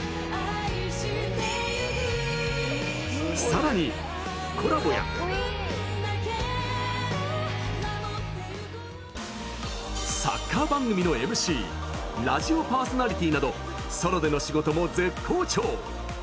さらに、コラボやサッカー番組の ＭＣ ラジオパーソナリティーなどソロでの仕事も絶好調。